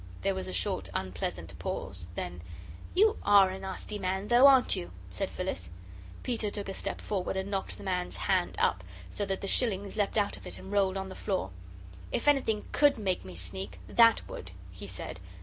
There was a short, unpleasant pause. Then: "You ARE a nasty man, though, aren't you?" said Phyllis. Peter took a step forward and knocked the man's hand up, so that the shillings leapt out of it and rolled on the floor. "If anything COULD make me sneak, THAT would!" he said.